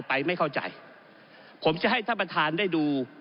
ก็ได้มีการอภิปรายในภาคของท่านประธานที่กรกครับ